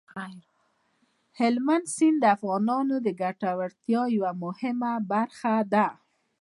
هلمند سیند د افغانانو د ګټورتیا یوه مهمه برخه ده.